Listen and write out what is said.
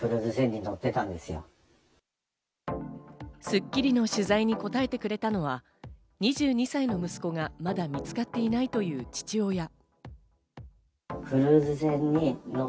『スッキリ』の取材に答えてくれたのは２２歳の息子がまだ見つかっていないという父親。